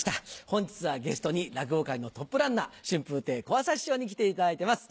本日はゲストに落語界のトップランナー春風亭小朝師匠に来ていただいてます。